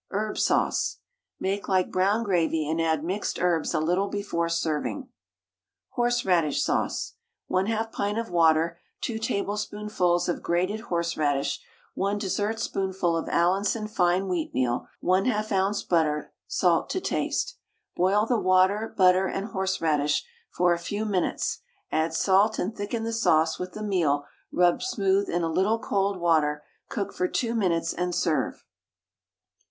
HERB SAUCE. Make like "Brown Gravy," and add mixed herbs a little before serving. HORSERADISH SAUCE. 1/2 pint of water, 2 tablespoonfuls of grated horseradish, 1 dessertspoonful of Allinson fine wheatmeal, 1/2 oz. butter, salt to taste. Boil the water, butter, and horseradish for a few minutes, add salt, and thicken the sauce with the meal rubbed smooth in a little cold water; cook for two minutes, and serve.